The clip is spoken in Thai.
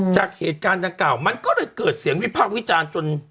จากเหตุการณ์ดังกล่าวมันก็เลยเกิดเสียงวิพากษ์วิจารณ์จน